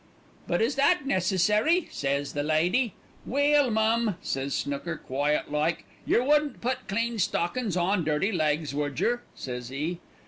"'But is that necessary?' says the lady. "'Well, mum,' says Snooker, quiet like, 'yer wouldn't put clean stockin's on dirty legs, would yer?' says 'e.